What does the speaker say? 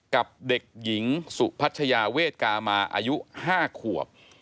กับเด็กหญิงสุพัชยาเวทกามาอายุ๕ขวบ